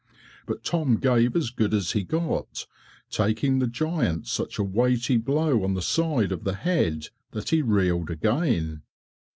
But Tom gave as good as he got, taking the giant such a weighty blow on the side of the head that he reeled again.